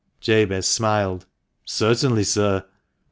" Jabez smiled. "Certainly, sir."